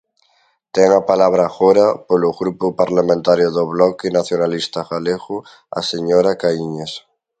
Ten a palabra agora, polo Grupo Parlamentario do Bloque Nacionalista Galego, a señora Caíñas.